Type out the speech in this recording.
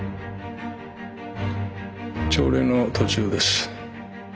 朝礼の途中です。